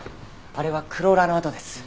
あれはクローラーの痕です。